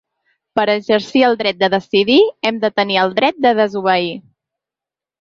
Per exercir el dret de decidir hem de tenir el dret de desobeir.